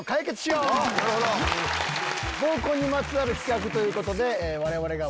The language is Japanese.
合コンにまつわる企画ということで我々が。